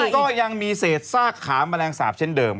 ก็ยังมีเศษซากขาแมลงสาปเช่นเดิม